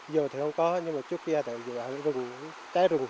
giờ thì không có nhưng mà trước kia thì rừng trái rừng